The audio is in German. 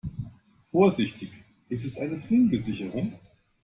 Vorsichtig, es ist eine flinke Sicherung.